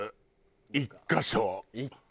１カ所。